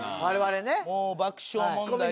もう爆笑問題さん。